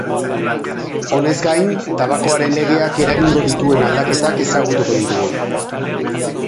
Honez gain tabakoaren legeak eragingo dituen aldaketak ezagutuko ditugu.